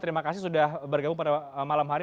terima kasih sudah bergabung pada malam hari